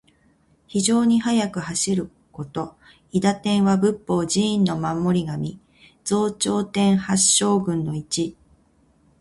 非常に速く走ること。「韋駄天」は仏法・寺院の守り神。増長天八将軍の一。金剛杵をもち、非常に足が速いという。韋駄天のように速く走る意。